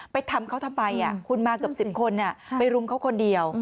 ทำเขาทำไมคุณมาเกือบ๑๐คนไปรุมเขาคนเดียว